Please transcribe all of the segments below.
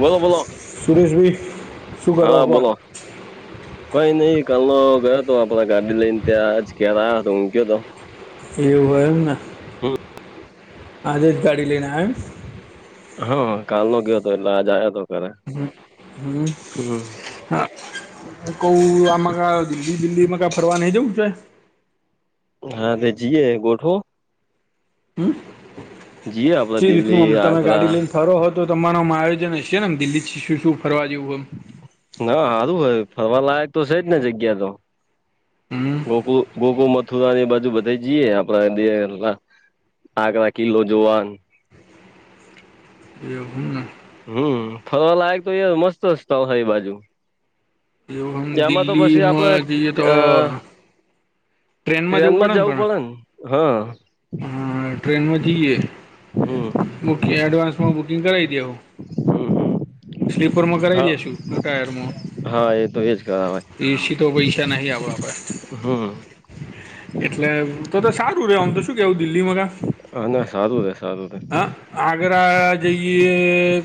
બોલો બોલો સુરેશભાઈ શું કરો હા કહો બોલો કઈ નઈ કાલનો ગયો હતો આપડા ગાડી લઈને તે આજ ઘેર આવ્યો તો ઊંઘયો તો એવું હ એમને હમ આજે જ ગાડી લય આયો હા કાલનો ગયો હતો એટલે આજ આવ્યો હતો ઘરે હ હમ હમ હા કઉ આમાં ક દિલ્ દિલ્લીમાં કા ફરવા નઈ જવું? હા તે જીએ ગોઠવો જીએ કે રીતનું આમ તમે ગાડી લઈને ફરો હો તો તમારું આમ આયોજન હશે ને આમ દિલ્હીથી શું શું ફરવા જેવું હ ના હારું હોય ફરવાલાાયક તો છે જ ને જગ્યા તો હમ ગોક ગોકુળ મથુરા એ બાજુ બધા જીએ આપડા આગ્ર કિલ્લો જોવાન એવુ હમ ના હમ ફરવાલાાયક તો યાર મસ્ત રસ્તાઓ હ એ બાજુ એવું આમ એમાં તો પછી આપડ દિલ્હીમાં જઈએ તો ટ્રેનમાં ટ્રેન માં જ ને જવું પડે ન, પણ હા હા ટ્રેનમાં જઈએ હમ બુક એડવાન્સમાં બુકિંગ કરાવી દેંહુ હમ સ્લીપરમાં કરાવ દે હા છું ટુ ટાયરમાં હા એ તો એજ કરાવાય એસી તો પૈસા નહી આપડા પાહે હમ એટલે! તો તો સારું રે આમ તો શું કહેવું દિલ્હીમાં કા હા ના સારું રે સારું રે હા આગ્રા.. જઈએ...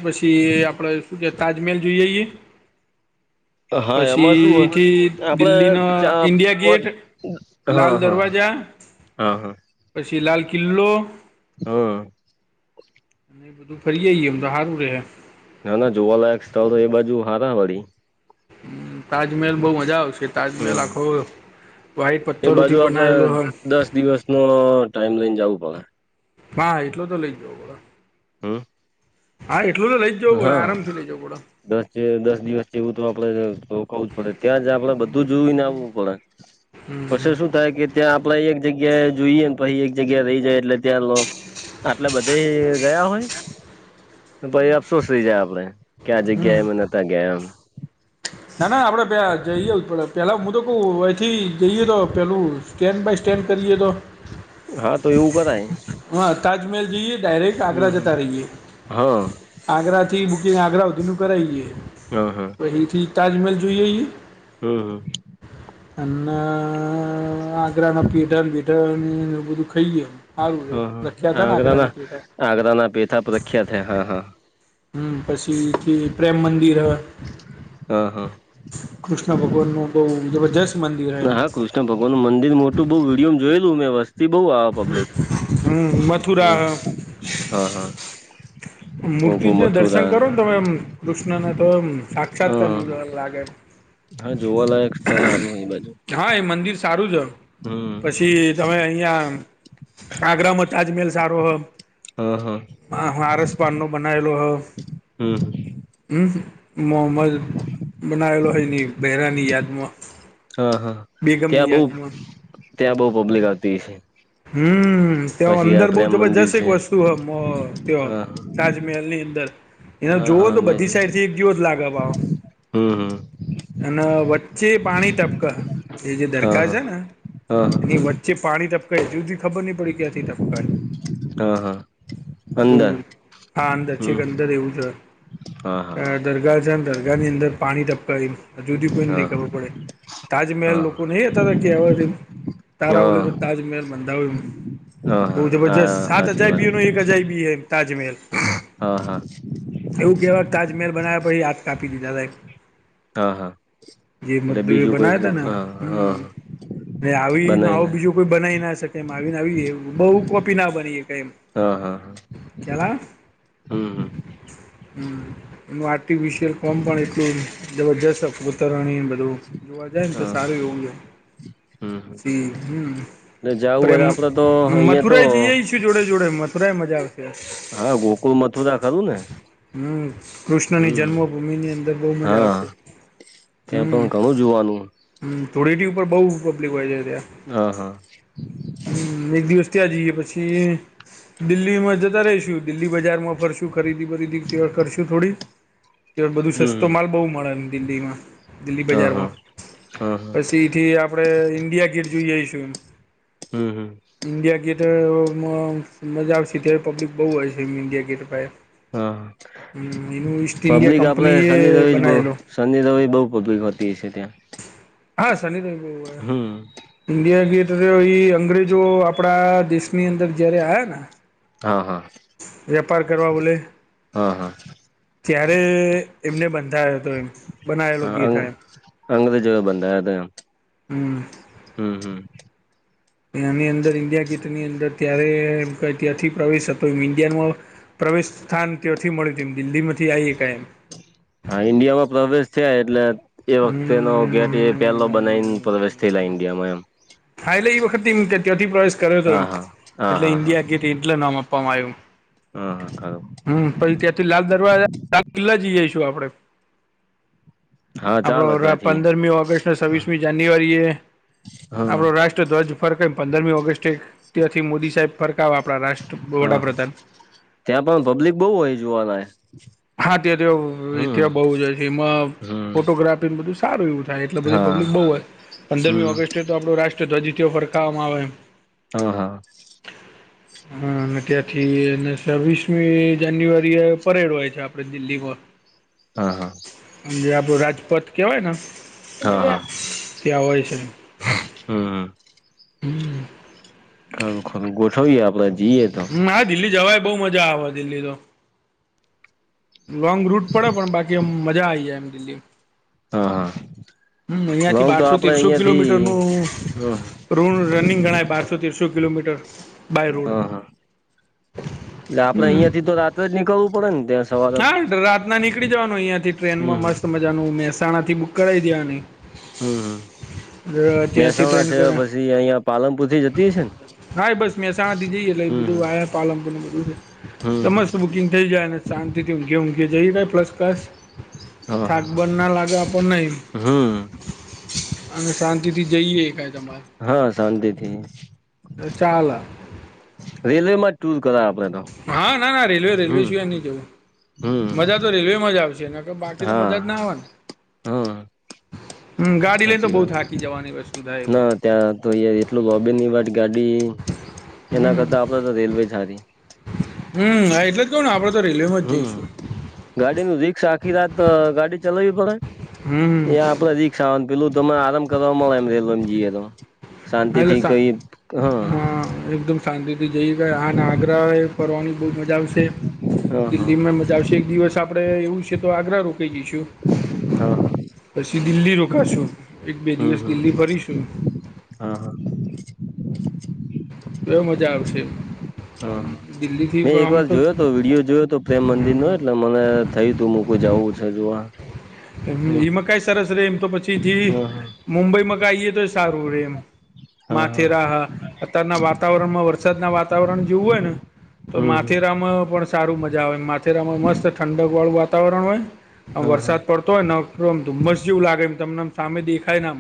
પછી આપણે શું કે તાજમહેલ જોઈ આઇએ હા એમાં શું હોય પછીથી આપડે દિલ્હીના ચા ઈન્ડિયા પોત ગેટ હા લાલ હા દરવાજા, હા હા. પછી લાલ કિલ્લો, હ એ બધું ફરી આઈએ એમ તો હારુ હે ના ના જોવાલાયક સ્થળ તો એ બાજુ હારા વળી તાજમહેલ બહુ મજા આવશે. તાજમહેલ હમ આખો વાઈટ એ બાજુ પથ્થરોથી આપડે બનાવેલો હોય. દસ દિવસ નો ટાઈમ લઈને જાવું પડે. હા, એટલો તો લઈ જ જવુ પડે. હમ. હા, એટલું તો લઈ જ જવું પડે. હા આરામથી લઈ જવું પડે. દસ એ દસ દિવસ જેવું તો આપડે રોકવું જ પડે. ત્યાં જ આપડે બધું જોઈને આવવું પડે. પછી શું થાય કે, ત્યાં આપડે એક જગ્યાએ જોઈએ પહી એક જગ્યા રહી જાય એટલે... ત્યાં લો આટલે બધયે રહ્યા હોય? પહી અફસોસ થઈ જાય આપડે કે, આ જગ્યાએ અમે નહતા ગયા એમ. ના ના આપડે ત્યાં જઈજ આવું પડે. પેલા હું તો કહું, અથી જઈએ તો પેલું સ્ટેન્ડ બાય સ્ટેન્ડ કરીએ તો? હા તો, એવું કરાય. હા તાજમહેલ જઈએ, ડાયરેક્ટ આગ્રા હમ હમ જતા રહીએ. હા હા આગ્રા થી બુકિંગ આગ્રા હુધીનું કરાઈ જઈએ. હ હ. તહીંથી તાજમહેલ જોઈ આઇએ? હમ હમ અ... ન... મેં આગ્રામા પિથર બિથર ને એ બધું ખઈ ગયો. હારુ થયું. હા હા પ્રખ્યાતા છે, ને, આગરાના આગ્રના પેઠાં. આગરાના પેથા પ્રખ્યાત હે. હા હા. હમ.. પછીથી પ્રેમ મંદિર હા હા કૃષ્ણ ભગવાન નું તો જબરજસ્ત મંદિર હાય. ત્યાં ભગવાનું મંદિર મોટું બહુ વિડીયોમ જોયલું, મેં બસ. તી બહું આવે પબ્લિક. હમ મથુરા હમ... હ હા હા. ઓગુ મૂર્તિજ ના દર્શન મથુરાન કરો ને તમે એમ કૃષ્ણનના તો એમ સાક્ષાત્કાર હા જેવું જ લાગે હા, જોવાલાયક સ્થળ હારુ અહીં બાજુ. હા એ મંદિર સારું જ હ. હમ પછી તમે અહીંયા, આગ્રમાં તાજમહેલ સારો હ એમ! હ હ. હા આરસપહાણનું બનાવેલુ હ. હમ. ઉહ! મોહમજ બનાવેલો હે એની બેહરાની યાદમાં હા હા. બેગમની ત્યાં બહુ, યાદમાં ત્યાં બહુ પબ્લિક આવતી હોય છે. હમ... ત્યા અંદર બહુ મંદિર જબરજસ્ત એક છે વસ્તુ હ. મ ત્ય હા તાજમહેલ ની અંદર એને હા જોવોન હા તો બધી મેજી સાઈડ થી એક જેવ જ લાગે ભાવ હમ હમ અને વચ્ચે પાણી ટપક હ એ જે હા દરખાર હા છે ને હા એની વચ ચે પાણી ટપકે હે હજી હુધી ખબર નહી પડી ક્યાંથી ટપક હ. હા હા બહુ અંદર હા અંદર છે હમ કે અંદર એવું જ હા હ હા આ દરગાહ છે દરગાહની અંદર પાણી ટપક હ ઈમા. હજુ હુદીન કોઈને નહી હા ખબર પડે હા તાજમહેલ લોકો નહી હતાતા કે હવાજે તારા ઓલે હા તો તાજમહેલ બંધાવ હા બઉ હા જબરજત હા સાત સાચી હજાર વાત બી નો એક અજાયબી હે તાજમેહેલ. હા હા. એવુ કેવાય તાજમેહેલ બનાયા પછી હાથ કાપી દીધા એમ હા હા. જે એટલે મજદૂએ બીજું કોઈ બ- હા બનાયાતા હા ન એ આવી ન આવો બનાવીને બીજો કોઈ બનાવી ના શકે એમ આવીને આવી બહુ કોપી ના બની હકે એમ. હા હા હા ખ્યાલ આવે હમ. હમ. એનું આર્ટિફિશિયલ કોમ પણ એટલું જબરજસ્ત કોતરણી ને બધુ. જોવા જાય ને તો હા સારું એવું છ. હમ હમ. હમ એટલે જવું હોય પ્રેમ તો આપડે તો અહિયાં તો મથુરાઈ જઈઆઈ છ જોડે જોડે મથરા મજા આવશે. હા ગોકુળ, મથુરા ખરું ને. હમ કૃષ્ણની હમ જન્મભૂમિની અંદર બહુ મજા હા આવશે. ત્યાં હમ પણ ઘણું જોવાનું હ. હમ ધૂળેટી ઉપર બહુ પબ્લિક હોય છે ત્યાં. હા હા. હમ એક દિવસ ત્યાં જઈએ પછી દિલ્હી માં જતા રહીશું દિલ્હી બજારમાં ફરશું શુ ખરીદી બરીદી કરશું થોડી કે બધું હમ સસ્તો માલ બહુ મળે ને દિલ્હીમાં. દિલ્લી હા હા બજારમાં હા હા પછી થી આપડે ઇન્ડિયા ગેટ જોઈ આઈશું ન. હમ હમ. ઇન્ડિયા ગેટઅ મા મજા આવશે અત્યારે પબ્લિક બહુ હો છે ઇન્ડિયા ગેટ પાહે. હા ઇન્ડિયા પબ્લિક આપલે કંપનીએ શનિ રવિ બહુ બનાવેલો શનિ રવિ બહુ પબ્લિક હોતી હસે ત્યાં. હા સની રવિ ઉઉ હમ્મ. ઈન્ડિયા ગેટ તો હિ અંગ્રેજો આપણા દેશની અંદર જયારે આયા ન હા હા. વેપાર કરવા બલે. હા હા ત્યારે એમને બંધાયો હતો એમ. બનાવેલો હા અ ગેટ આ એમ અંગ્રેજો બંધાયા તા એમ. હમ. હમ હમ. એની અંદર ઈન્ડિયા ગેટની અંદર ત્યારે એ ક ત્યાંથી પ્રવેશ હતો એમ ઈન્ડિયન વાળો પ્રવેશ સ્થાન ત્યોથી મળ્યું તે એમ દિલ્હીમાંથી આઈ હકાય એમ. હા ઈન્ડિયામાં પ્રવેશ થયા એટલે એ વખતેનો ગેટ એ પહેલો હમ બનાઈને પ્રવેશ થયેલા ઇન્ડિયામાં એમ. હા એટલે એ વખત ત્યાથી પ્રવેશ કર્યો હતો એ હા હા. હા એટલે હા હા ઇન્ડિયા ગેટે એટલે નામ આપવામાં આવ્યું. હા હમ પછી ત્યા લાલ દરવાજા લાલ કિલ્લા જઈ આઈશું આપડે. હા હા આપડો ચાલો રા ત્યાંથી પંદરમી ઓગસ્ટને સવ્વીસમી જાન્યુઆરી એ હા આપડો હા રાષ્ટ ટ ધ્વજ ફરક પંદરમી ઓગસ્ટ ત્યાંથી મોદી સાહેબ ફરકાવે આપણા રાષ્ટ્ર વડાપ્રધાન. ત્યાં પણ પબ્લિક બહુ હોય જોવાનાય. હા ત્યાં તો ત્યાં બહુ જ છે એમાં હમ્મ. ફોટોગ્રાફી બધું સારું એવું થાય એટલે બધી હા પબ્લિક બહુ હોય પંદરમી હમ્મ. ઓગસ્ટે તો આપણો રાષ્ટ્ર ધ્વજવ ફરકાવવામાં આવે એમ હ હા હા અને ત્યાંથી અને છવ્વીસમી જાન્યુઆરી એ પરેડ હોય છે. આપડે દિલ્હીમાં હા હા જે આપડું રાજપથ કેવાય ને હા હા ત્યા હોય છે હા હમ ખરું ખરું ગોઠવીએ આપડે જીએ હમ હા દિલ્હી જવાય બહુ મજા આવે દિલ્હી તો લોંગ રૂટ પડે પણ બાકી મજા આ આવી જાય એમ દિલ્હી હા હા હમ અહિયાં થી લોંગ તો બારસો આપડે તેરસો અહિયાં થી કિલોમીટર નો હ રૂણ રનિંગ ગણાય બારસો તિરસો કિલોમીટર બાય રોડ હા હા એટલે આપડે અહિયાં હમ થી તો રાત્રે જ નીકળવું પડે ને ત્યાં સવારે હા રાત ના નીકળી જવાનું અહિયાંથી ટ્રેન હમ માં હમ મસ્ત મજાનું મહેસાણા થી બુક કરાવી દેવાની હમ ત્યાંથી મહેસાણા ટ્રેન છે કરે પછી અહિયાંયા પાલનપુર થી જતી હ છે ને હા બસ મહેસાણાથી જઈએ એટલે બધું હમ પાલમપુરું બધું છે હમ મસ્ત બુકિંગ થઈ જાય ને શાંતિથીું ઘેે જઈાય પલસ કસ હા થાક હા બંધ ના લાગવા પણ નહી હમ અને શાંતિ થી જઈએ એકાાય તમારે હા શાંતિથી ચાલ રેલવે માટે હા ના ના રેલવે રેલવે હમ સિવા નહી જવું હમ મજા તો રેલવેમાં જ આવશે એ બાકી તો હા મજા જ ના આવવાની હા સાચી વાત થાય એ તો ના ત્યાં તો એટલુંબેનની વાત ગાડી એના કરતા આપડે તો રેલવે જારી હમા એટલે જ કવને આપડે તો રેલવેમાં જઈશું ગાડી નું રીસ આખી રાત ગાડી ચલાવી પડે હમ ્યા આપડે રી પેલું તને આરામ કરવાવામાં આવે એમ રેલવે જઈએ તો શાંતિ હા એટલે થી સા કઈ હા શાંતિથી જઈ ગાય આ અને આગ્રાએ ફરવાની બહુ મજા આવશે હા હા દિલ્હીમાં મજા આવશે એક દિવસ આપડે એવું છે તો આગ્રા રોકાઈ ગઈશું હા પછી દિલ્હી રોકાશું એક બે હમ દિવસ હમ દિલ્હી ફરીશું હા હા કેવ મજા આવશે હા દિલ્હીથી મેં એક આમ વાર તો જોયો હતો વિડીિયો જોયો હતો મંદિર નય એટલે મને થયું તું હુંકઈ જવું છે જો એ મકાઈ સરસ રે એમ તો પછીથી હા મુંબઈ મકાઈઈએ તો સારું રે એમ માથેરા હા અત્યારના વાતાવરણમાં વરસાદના વાતાવરણ જેવું હોય ને તો હમ માથેરામ પણ સારું મજા આવે માથેરામાં મસ્ત ઠંડક વાળું વાતાવરણ હોય આ હા હા વરસાદ કમ મસ્ જેવું લાગે એમ તમનેમ સામે દેખાય ને આમ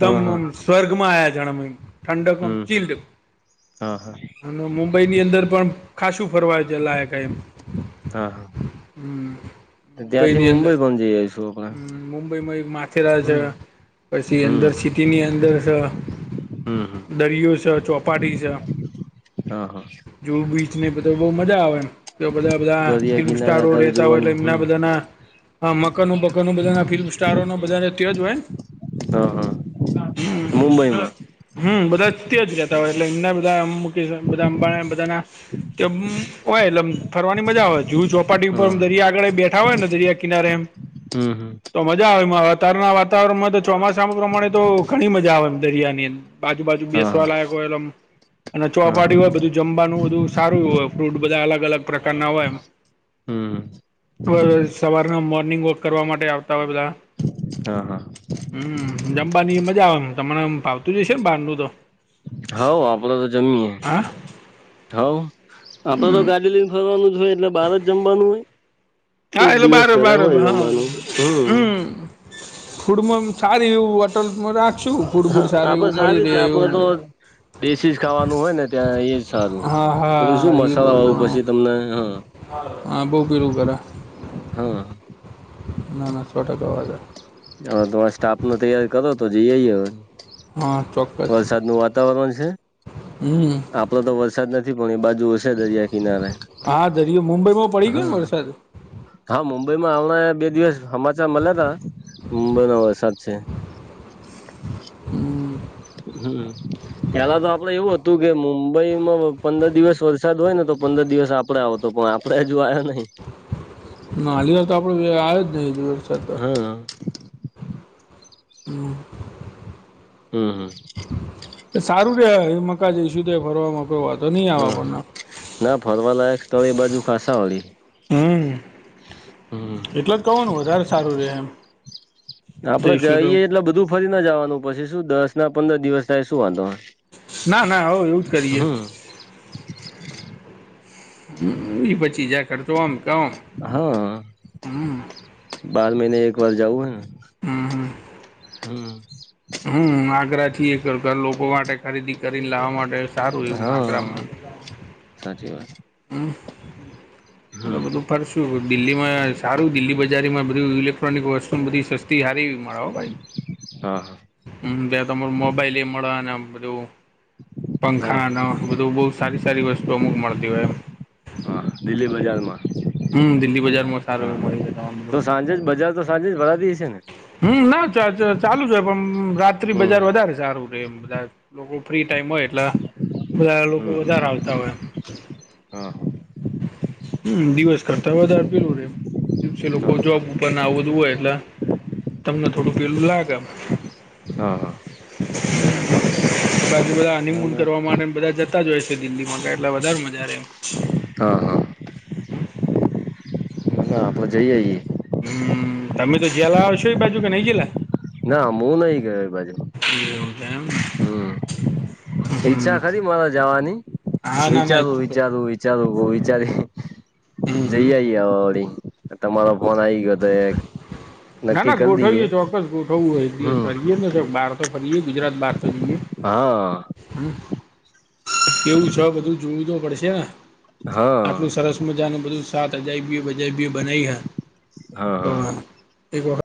હા હા સ્વર્ગમાં આ્યા જણા ઠંડકમ હમ ચીલડ હા હા મુંબઈ ની અંદર પણ ખાસું ફરવા જેલા ક એમ હા હા હમ ત્યાંથી મુંબઈ પણ જઈ આવીઈશું આપડ મુુંબઈમાં એક મા થેલા છે પછી હમ અંદર સિટીની અંદર છે હમ હમ દરિયો છે ચૌપાટી છે હા હા જુહુ બીચ ને બધે બહ મજા આવે ને. એ બધા બધા દરિયા ફિલ્મ કિનારે સ્ટારો રે અત્યારે તા હોય એટલે જોવાની એમના હમ બધાના મકાન. બધા ફિલ્મ સ્ટારો બધા તે જ હોય હા હા મુંબઈમાં હ. હમ બધા ત્યાજ જતા હોય એટલે એમના બધામ. બધા અંબા બધા ચંબુ હોય એ. ફરવાની મજા આવેય જુહ ચોપાટી ઉપર હા દરિયા આગળે બેઠા હોય ને દરિયા કિનારે એમ. હમ હમ. તો મજા આવે એ અતારના વાતાવરણમાં તો ચોમાસામાં પ્રમાણે તો ઘણી મજા આવે દરિયા ની અંદર. આજુ બાજુ હા બેસવા લાયક હોય અમ અને હા ચોપાટી હોય બધું. જમવાનું બધું સારું હોય ફ્રૂટ બધા અલગ અલગ પ્રકારના હોય. હમ હવે સવારના મોર્નિંગ વોક કરવા માટે આવતા હોય બધા. હા હા. હમ જમવાની મજા આવે એમ તમમ ફાવતું જશે મ બહારનું તો. હોવ આપણે તો જમીએ હા હવ આપ તો ગાડી લઈ. ફરવાનું જ હોય એટલે બાર જમવાનું હોય. હા કોક એટલે દિવસ બાર ઘરે બાર હોય હા જમવાનું હમ. ફૂડમાં સાર એવું હોટલમાં રાખશું ફૂડ હા બૂડ સારું એવું મળી રહે એવું. દેશીસ ખાવાનું હોય ને ત્યાં એ. સારું હા પેલું શું હા એ બહુ મસાલા વાવું પછી તમને હહ. હા બહુ પેલું કરે હા. ના ના સો ટકા આવાજે. હ તમારે સ્ટાફ ન તૈયારી કરો તો જઇઆઇ એ હવ. હા ચોક્કસ વરસાદ નું વાતાવરણ છે. હમ એટલો તો વરસાદ નથી પણ એ બાજુ હશે દરિયા કિનારે. હા દરયો મુંબઈમાં પડી ગયો હા ને વરસાદ. હા મુંબઈ માં આવણા બે દિવસ હમાચાર મળ્યા તા મુંબઈનો વરસાદ છે. હમ. હમ. પેલા તો આપડે એવું હતું કે મુંબઈમાં પંદર દિવસ વરસાદ હોય ને તો પંદર દિવસ. આવ તો પણ આપડે હ જો આયા નહી. નાનલી વાત તો આપડે આવે જ નહી. હા. નવ. હમ હમ. સારું રે ઈન મકા જઈશું ત ફરવામાં કોઈ વાત. હ ના ફરવા લાયક સ્થળ બાજુ ખાાસ હોળ. હમ. એટલ જ કહોનું વધારે સારું રે એમ જઈશું તો. પછીના જવાનું પછી શું દસ ના પંદર દિવસ થાય શું વાંધો. ના ના હ એવું જ કરીએ. હમ હ એ પચીસ હજાર ખર્ચો આમ કે આમ. હા હમ બાર મહિને એક વાર જાઉું હેને. હમ હમ હમ. હમ આગ્રા થી એ ઘરના લોકો માટે ખરીદી કરીને લાવવા માટે. સારું એવું હા સાચી વાત હ એ હમ બધું [unintelligible] ફર છે દિલ્હી માં સારું દિલ્હી બજારીમાં બધું ઇલેક્ટ્રોનિક વસ્તુ બધી સસ્તી સારી હા હા હમ બે તમારુ મોબાઈલ એ મળવાને બધું. હા પંખા ન બધું બહુ સારી સારી વસ્તુ અમુક મળતી હોય એમ હા દિલ્હી બજારમાં હમ, દિલ્હી બજારમાં સારું એવું મળે જ તમામ લોકો આજે જ બજાર તો [unintelligible] હમ, ના ચાલુ જ પણ રાત્રિ હમ. બજાર વધારે સારું. બધા લોકો ફ્રી ટાઈમ હોય એટલે બધા લોકો હમ વધારે આવતા હોય હા. હમ, દિવસ કરતા વધારે પેલું રેવુ. દિવસે લોકો જોબ ઉપરના આવુ બધું હોય એટલે તમને થોડું પેલું લાગે એમ. હા હા. બાકી બધા ના હનીમૂન ના કરવા માટે બધા જતા જ હોય છે દિલ્હી. એટલે વધારે મજા રે એમ. હા હા. [inaudible] ના આપણે જઈ આઈએ. હમ, તમે તો જયલા હશો એ બાજુ કે નઈ જયલા? ના હું નઈ ગયો એ બાજુ એવું છે એમને હમ. ઈચ્છા હમ ખરી મારે જવાની હા ના ના એ વિચારું તો વિચારું વિ ચાલું કો વિચારી હમ હમ જઈ આઈ એ ઓડી. તમારો ફોન આઈ ગયો તો નક્કી કર દઈએ. ચોકસ ગોઠવું હો એક દિવસ હમ. ફરીએ ને એક બહાર તો ફરીએ ગુજરાત બહાર તો જઈએ. હા. હમ. કેવું છે બધું જોવું તો પડશેને. હા. સરસ મજાનું બધું સાત અજાયબી બજાયબી બનાઈ હા હા તો હા. એવો હ